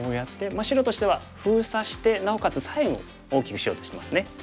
まあ白としては封鎖してなおかつ左辺を大きくしようとしてますね。